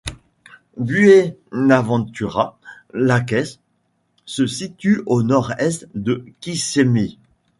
Buenaventura Lakes se situe au nord-est de Kissimmee.